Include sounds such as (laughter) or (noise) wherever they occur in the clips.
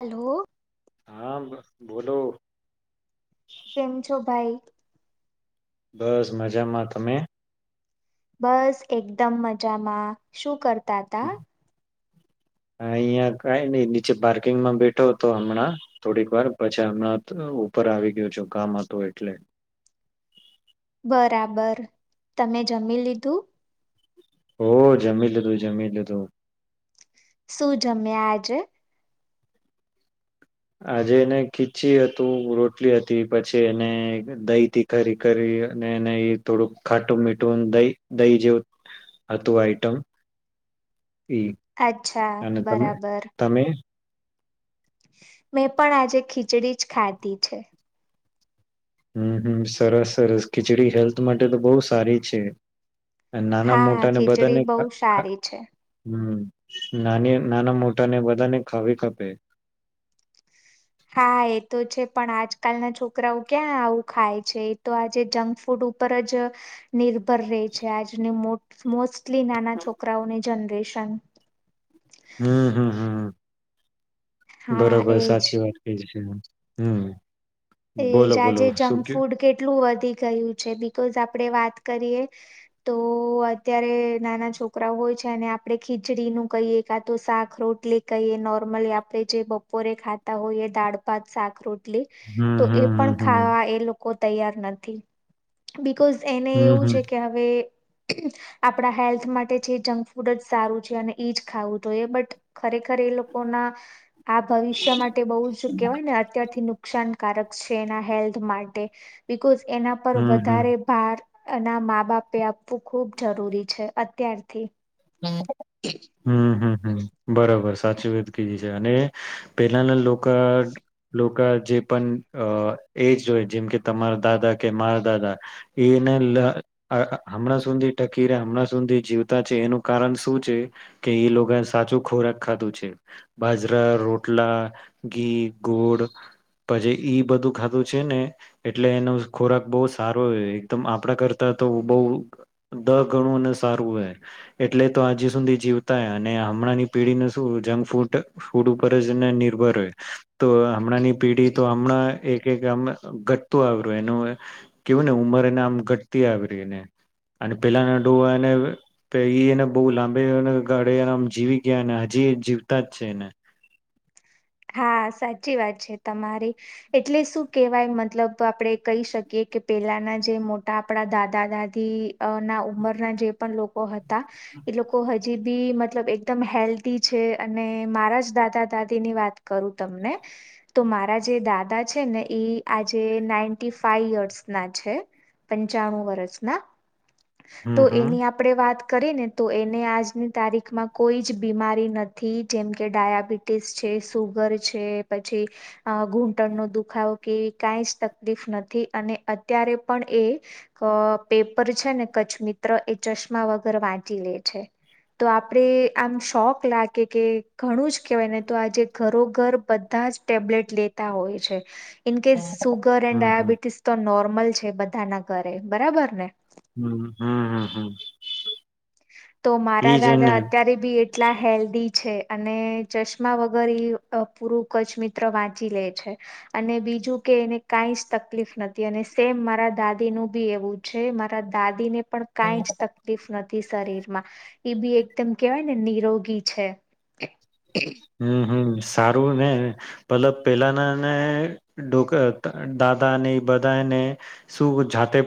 Hello. હા બોલો. કેમ છો ભાઈ. બસ મજામાં તમે. બસ એકદમ મજામાં શું કર તા હતા. હ અહિયાં કઈ નઈ નીચે પાર્કિંગમાં બેઠો હતો હમણાં થોડીક વાર પછી હમણાં ઉપર આવી ગયો છું ગામ હતું એટલે. બરાબર તમે જમી લીધું. ઓ જમી લધું જમી લીધું. શું જમ્યા આજે. આજે એને ખીચી હતું રોટલી હતી પછી એને દહીથી ખરી કરી અને એને થોડુંક ખાટું મીઠું દહી દહી જેવું હતું આઈટમ એ અચ્છા અને તમે બરાબર તમે. મેં પણ આજે ખીચડી જ ખાધી છે. હમ હમ સરસ સરસ ખીચડી હેલ્થ માટે તો બહુ સારી છે. નાના હા મોટા ને ખીચડી બધાને બહુ સારી છે હમ નાના મોટાને બધાને ખાવી કપે. હા એ તો છે પણ આજકાલના છોકરાઓ ક્યાં આવું ખાય છે એ તો આજે જંક ફૂડ ઉપર જ નિર્ભર રહે છે આજને મો મો એટલી નાના છોકરાઓને જનરેશન (inaudible) હા બરોબર એજ સાચી વાત ક છેું. (inaudible) એજ આજે જંક ફૂડ કેટલું વધી ગયું છે બિકઝ આપડે વાત કરીએ તો અત્યારે નાના છોકરા હોય છે અને આપણેે ખીચડી નું કહીએ કા તો શાક રોટલી કહીએ નોર્મલી આપે જે બપોરે ખાતા હોઈએ દાળપાત શાક રટલી (inaudible) એ હમ હમ પણ હમ ખાવા એ લોકો તૈયાર નથી બી બકોઝ એને હમ હમ એવું હમ છે કે હવે આપણા હેલ્થ માટે છે જંક ફૂડ જ સારું છે અને એ જ ખાવું જોઈએ બટ ખરેખર એ લોકોના આ ભવિષ્ય માટે બહુ જ કેહેવાય ને અત્યારથી નુકસાન છે એ હેલ્થ માટે બીકોઝ એના પર હમ હમ વધારે ભાર એ ના મા બાપે આપવું ખૂબ જરૂરી છે અત્યારથી હમ્મ-હમ્મ. હમ બરોબર સાચી વાત કીધી છે, અને પેલાના લોકો જે પણ એજ હોય જેમ કે તમારા દાદા કે મારા દાદા એને હમણાં સુધી ટકીરે હમણાં સુધી જીવતા છે એનું કારણ શું છે કે એ લોકો સાચું ખોરાક ખાધું છે બાજરા, રોટલા, ઘી, ગોળ પછી ઈ બધું ખાધું છે ને એટલે એનો ખોરાક બહ સારો હો એકદમ આપણા કરતા તો બહુ દ ગણું અને સારું હોય. એટલે તો હજ સુધી જીવતા અને હમણાંની પેઢીને શું જંક ફૂડ ફૂડ ઉપર જને નિર્ભર હોય તો હમણાંની પેઢી તો હમણાં એક એક આમ ઘટતું આવ્યું એનું કેવું ને ઉંમર એને આમ ઘટતી આવરીને અને પેલાના ડોવાને પ એ એને બહુ લાંબે ગાળે એનામ જીવી ગયા ને હજી જીવતા જ છે એને હા સાચી વાત છે, તમારી એટલે શું કેહેવાય મતલબ આપણેે કહી શકીએ કે પેલાના જે મોટા આપણા દાદા દાદી ના ઉંમરના જે પણ લોકો હતા એ લોકો હજી બી મતલબ એકદમ હેલ્ધી છે અને મારા જ દાદા દાદી ની વાત કરું તમને તો મારા જે દાદા છે ને એ આજે નાઈન્ટી ફાઈવ યર્સ ના છે પંચાણું વર્ષના તો હમ હમ એની આપણેે વાત કરીને તો એને આજની તારીખમાં કોઈ જ બીમારી નથી જેમ કે ડાયાબિટીસ છે. સુગર છે પછી ઘૂંટણનો દુખાવો કેવી કંઈ જ તકલીફ નથી અને અત્યારે પણ એ પેપર છે ને કચ્છ મિત્ર એ ચશ્મા વગર વાંચી લે છે, તો આપડે આમ શોખ લાગે કે ઘણું જ કહેવાય ને તો આજે ઘરો-ઘર બધા જ ટેબ્લેટ લેતા હોય છે. ન case hmm sugar and hmm hmm diabetes તો નોર અમલ છે બધા ના ઘરે બરાબર ને હમ્મ-હમ્મ. હમ્મ-હમ્મ. તો મારા દાદા અત્યારે બી એટલા હેલ્ધી છે, અને ચશ્મા વગર એ પૂરું કચ્છ મિત્ર વાંચી લે છે અને બીજું કે એને કાં જ તકલીફ નથી અને સેમ મારા દાદીનું બી એવું છે મારા દાદીને પણ કાઈજ તકલીફ નથી. શરીર માં એ બી એકદમ કવાય ને નિરોગી છે. હમ્મ-હમ્મ. સારું ને પલ પેલાના નેો દાદા ને બધાને શું જાતે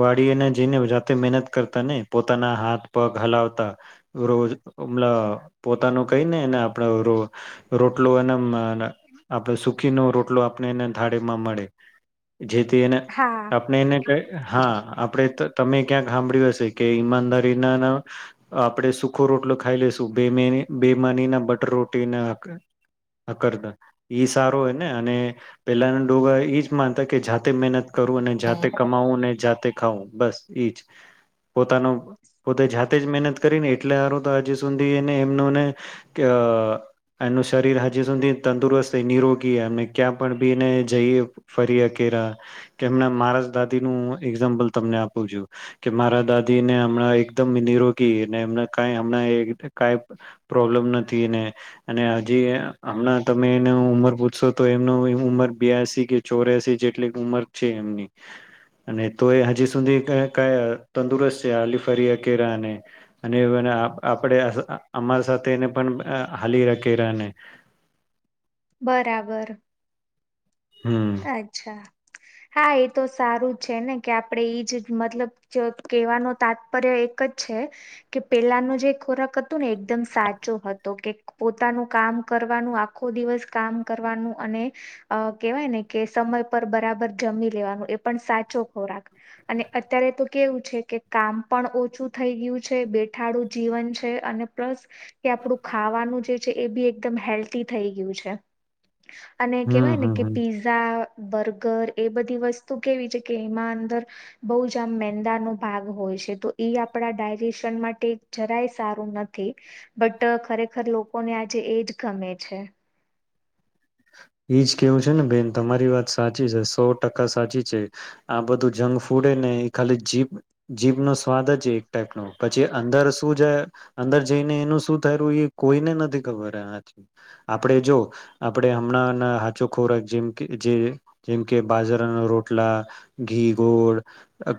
વાળીને જઈને જાતે મહેનત કરતા ને પોતાના હાથ પગ હલાવતા રોજ હમ પોતાનું કઈ નેને આપ રોટલો અને આપણે સુખીનો રોટલો આપણે એને થાળેમાં મળે. જેથી એને હા આપણે એને કઈ હા આપણે તમે ક્યાં સાંભળ્યું હશે કે ઈમાનદારી ના આપણેે સુખો રોટલો ખાઈ લેશું બે બેમાની ના બ રોટીના કરતા સારો હો ને અને પેલાના ડોગા જ માનતા કે જાતે મહેનત કરું જાતે કમાવું ને જાતે ખાવું બસ જ પોતાનો પોતે જાતે જ મહેનત કરીને એટલે સાર તો હજ સુધી એને એમનુંને કે એનું શરીર હજી સુધી તંદુરસ્ત નિરોગી એમ ક્યાં પણ બીને જઈએ ફરી કેરા કે એમના મારા જ દાદી નું એક્ઝામ્પલ તમને આપું છું, કે મારા દાદીને હમણાં એકદમ નિરોગીને એમ હમણાં ક પ્રોબ્લમ જી હમણા તમે એ ઉમર પૂછશો તો એમનું ઉંમર બ્યાસી કે ચોરાસી જેટલી ઉંમર છે એમની અને તો એ હજી સુધી ક તંદુરસ્ત છે આલી ફરીયાકેરાને અને આપ અમારા સાથેને પણ અ હલી રખી રને બરાબર. હમ અચ્છા. હા એ તો સારું છે ને કે આપણેે એ જ મતલબ કેવાનો તાત્પર્ય એક જ છે કે પેલાનો જે ખોરાક હતુ ને એકદમ સાચો હતો કે પોતાનું કામ કરવાનું આખો દિવસ કામ કરવાનું અને કેહેવાય ને કે સમય પર બરાબર જમી લેવાનું એ પણ સાચો ખોરાક અને અત્યારે તો કેવું છે કે કામ પણ ઓછું થઈ ગયું છે બેઠાડું જીવન છે અને પ્લસ એ આપડું ખાવાનું જે છે એ બી એકદમ હેલ્ધ થઈ ગયું છે અને હમ કેહેવાય ને હમ કે હમ પીઝ બર્ગર એ બધી વસ્તુ કેવી છે કે એમાં અંદર બહ જ આમ મેંદા નો ભાગ હોય છે તો એ આપડા ડાયજેશન માટે જરાય સારું નથી બટ ખરેખર લોકોને આજે એજ ગમે છે એજ કેવું છે ને બેન તમારી વાત સાચી છે સો ટકા સાચી છે આ બધું જંક ફૂડ ને એ ખાલી જીભ જીભ નો સ્વાદ જ છે એક ટાઈપ નો પછી અંદર શું જાય અંદર જઈને એનું શું થયું એ કોઈને નથી ખબર આથી આપણે જો આપણે હમણાં હાચો ખોરાક જેમ કે જે જેમ કે બાજરાના રોટલા ઘી ગોળ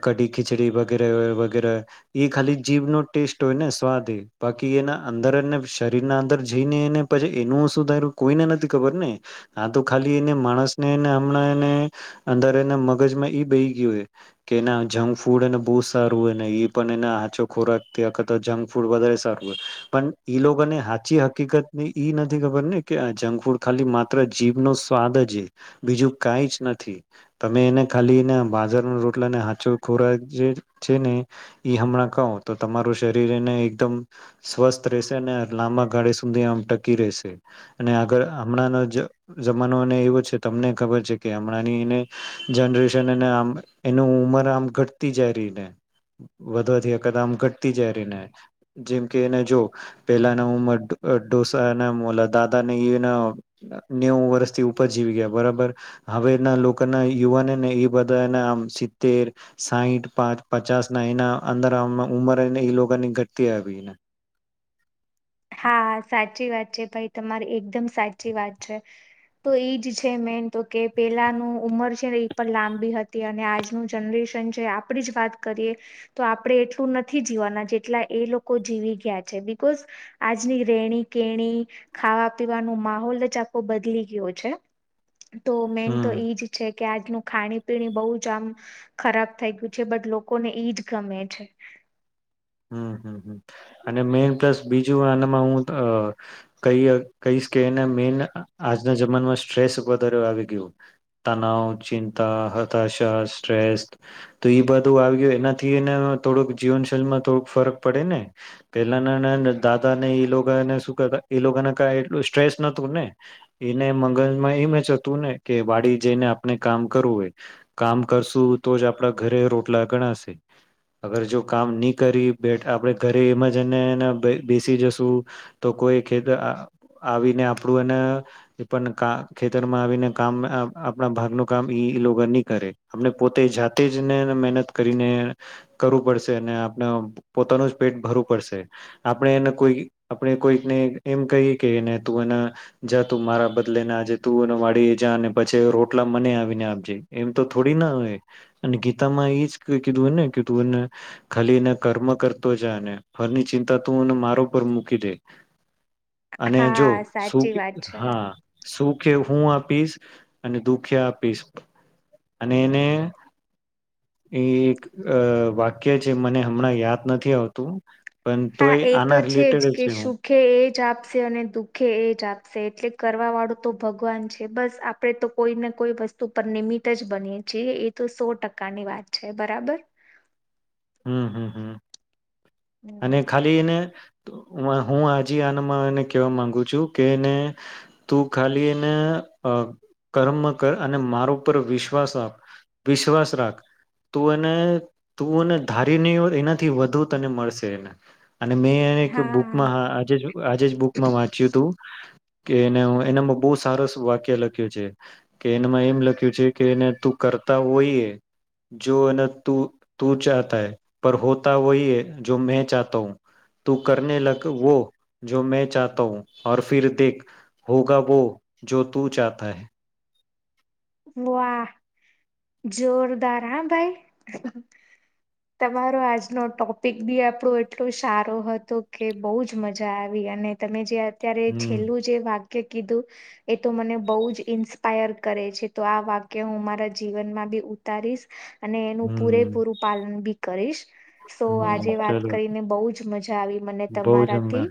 કઢી ખીચડી વગેરે વગેરે એ ખાલી જીભનો ટેસ્ટ હોય ને સ્વાદ એ બાકી એના અંદરને શરીર ના અંદર જઈને એને પછી એનું સુધાર કોઈને નથી રને આ તો ખાલી એ માણસ ને એ હમણાં એને અંદર એને મગજમાં બહી ગયું હોય કે જંક ફૂડ એને બહ સારું હોય ને એ પણ એ હચો ખોરાક ખ તો જંક ફૂડ વધારે સારું હો પણ ઈ લોકોને સાચી હકીકત ની ઈ નથી ખબર ને કે જંક ફૂડ ખાલી માત્ર જીભ નો સ્વાદ જ બીજું કઈ જ નથી તમે એને ખાલી બાજારના રોટલાને હાચો ખોરાક જે છે ને એ હમણાં કહો તો તમારું શરીર એને એકદમ સ્વસ્થ રહેશે અને લાંબા ગાળે સુધી આમ ટકી રહેશે અને આગળ હમણાં જમાનોને એવો છે તમને ખબર છે કે હમણાંની એને જનરેશન આમ એનું ઉંમર આમ ઘટતી જાય રહી ને વધવાથી વખત આમ ઘટતી જાય રને જેમ કે એને જો પેલાના ઉંમર ડોસા ના મોલા દાદા ને નેવું વર્ષથી ઉપર જીવી ગયા બરાબર હવેના લોકોના યુવાન ને એ બધા એના આમ સિતતેર સાહીઠ પાંચ પચાસ ના એના અંદર આમ ઉંમરને એ લોકોની ઘટતી આવીને હા સાચી વાત છે ભાઈ તમારી એકદમ સાચી વાત છે તો એજ છે મેન તો કે પેલાનું ઉંમર છે ને એ પણ લાંબી હતી અને આજનું જનરેશન છે આપડી જ વાત કરીએ તો આપણે એટલું નથી જીવવાના જેટલા એ લોકો જીવી ગયા છે બિકઝ આજની રેણી કેણી ખાવા પીવાનો માહોલ જ આો બદલી ગયો છે તો મેન તો હમ એઈ જ છે કે આજનું ખાણી પીણી બહુ જ આમ ખરાબ થઈ ગયું છે બટ લોકોને એઈજ ગમે છે હમ હમ અને મેન પ્લસ બીજું આનામાં હું ક કહીશ કે એને મેઈન આજના જમાનામાં સ્ટ્રેસ વધારે આવી ગયું તનાવ ચિંતા હતાશા સ્ટ્રેસ તો એ બધું આવી ગયું એનાથી એને થોડુંક જીવનશૈલીમાં ફરક પડે ને પેલાના દાદા ને એ લોકોને શ કરતા એ લોકોને ક એટલું સ્ટ્રેસ નતું ને એને મંગલમાં એમ જતું ને કે વાડી જઈને આપણે કામ કરવું હોય કામ કરશું તો જ આપડા ઘરે રોટલા ગણાશે અગર જો કામ ન કરી આપે ઘરે એમ જનેને બેસી જશું તો કોઈ ખેર આવીને આપડું એને પણ ખેતરમાં આવીને કામ આપણા ભાગનું કામ ઈ લોકો નહી કરે આપણે પોતે જાતે જને મહેનત કરીને કરવું પડશે અને પોતાનું પેટ ભરવું પડશે આપણે એને કોઈ આપણે કોઈકને એમ કહીએ કેને તું એને જા તું મારા બદલેને આજે તું વાડી જા અને પછી રોટલા મને આવીને આપજે એમ તો થોડી ના હો અને ગીતામાં એજ કીધુંને કે તું એને ખાલીને કર્મ કરતો જાયને ફરની ચિંતા તું મા મૂકી દે અને જો હા સાચી વાત શ છે હા સુખે હું આપીશ અને દુખી આપીશ અને એને એ એક વાક્ય મને હમણાં યાદ નથી આવતું પણ હા તોય એ તો આના છે જ રિલેટેડ કે છે હું સુખે એ જ એ જ આપશે અને દુઃખે એ જ આપશે એટલે કરવા વાળું તો ભગવાન છે બસ આપણે તો કોઈને કોઈ વસ્તુ પર નિિમિટ જ બનીએ છીએ એ તો સો ટકાની વાત છે બરાબર હમ હમ હમ અને હમ ખાલી એને હું આજ આનામાં એને કહેવા માંગુ છું કેને તું ખાલી એને કર્મ કર અને મારો પરર વિશ્વાસ આપ વિશ્વાસ રાખ તું એને તુંને ધારી નહી હો એનાથી વધુ તને મળશે એને અને મેંને એક હા બુકમાં આે આજે જ બુકમાં વાંચ્યું હતું કે એને એનામાં બહુ સાર વાક્ય લખ્યું છે કે એનામાં એમ લખ્યું છે કે એને તું કરતા હોઈએ જો એને તું તું ચા ૈ પર હોતા વહીૈ જો મે ચાતા હું તું કર લગ વો જો મે ચાતા હું ફર દેખ હોગ વો જો તું ચાતા હૈ વાહ જોરદાર હા ભાઈ તમારો આજનો ટોપિક બી આપણો એટલોું સારો હતો કે બહજ મજા આવી અને તમે જે અત્યારે હમ છેલ્લું જે વાક કે કીધું એ તો મને બહુ જ ઇન્સ્પાયર કરે છે તો આ વાક્ય હું મારા જીવનમાં બી ઉતારીશ અને એનું હમ પૂરેપૂરું પાલન બી કરીશ (inaudible) સો હમ આજે વાત ચલો કરીને બહુ જ મજા આવી મને બહુ જ હમણા તમારાથી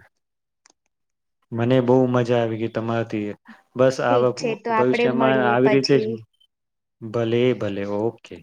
મને બહુ મજા આવી ગઈ તમારાથી બસ આ ઠીક છે તો આપડે ભવિષ્યમાં મળીએ આવી રીતે જ પછી ભલે ભલે ઓકે